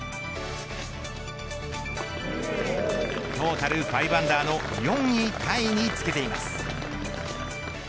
トータル５アンダーの４位タイにつけています。